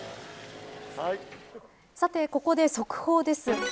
さて、ここで速報です。